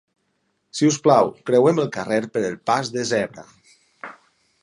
Si us plau creuem el carrer per el pas de zebra